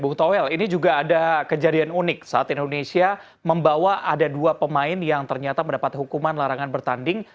bung toel ini juga ada kejadian unik saat indonesia membawa ada dua pemain yang ternyata mendapat hukuman larangan bertanding